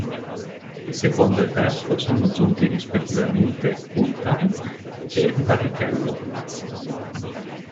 Secondo e terzo sono giunti rispettivamente Coulthard e Barrichello.